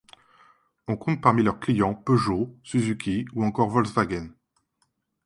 On compte parmi leurs clients Peugeot, Suzuki ou encore Volkswagen.